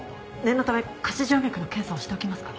念のため下肢静脈の検査をしておきますか。